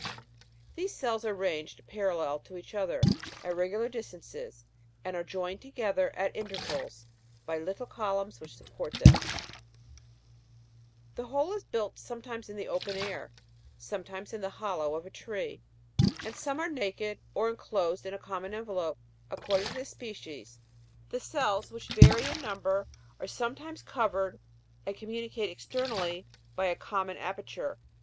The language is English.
These cells are ranged parallel to each other, at regular distances, and are joined together at intervals by little columns which support them (Jig, 50) ; the whole is built, sometimes in the open air, sometimes in the hollow of a tree, and some are naked or enclosed in a common envelope, according to the species (Jig. 50). The cells, which vary in number, are sometimes covered and communicate externally by a common aperture.